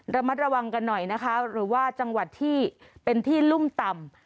ระมัดระวังกันหน่อยนะคะหรือว่าจังหวัดที่เป็นที่รุ่มต่ำ